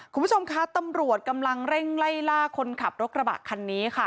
คุณผู้ชมคะตำรวจกำลังเร่งไล่ล่าคนขับรถกระบะคันนี้ค่ะ